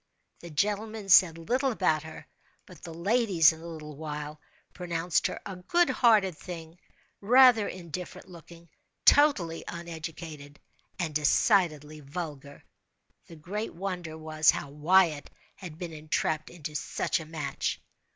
The gentlemen said little about her; but the ladies, in a little while, pronounced her "a good hearted thing, rather indifferent looking, totally uneducated, and decidedly vulgar." The great wonder was, how Wyatt had been entrapped into such a match.